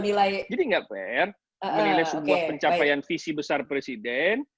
jadi tidak fair menilai sebuah pencapaian visi besar presiden